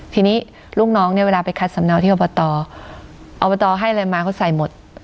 ทีนี้ลูกน้องเนี่ยเวลาไปคัดสำเนาที่อบตอบตให้อะไรมาเขาใส่หมด